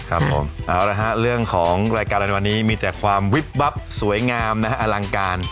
เอาละฮะเรื่องของรายการในวันนี้มีแต่ความวิบบับสวยงามและอลังการ